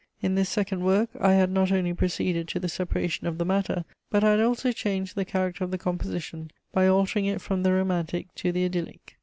In this second work, I had not only proceeded to the separation of the matter, but I had also changed the character of the composition, by altering it from the romantic to the idyllic.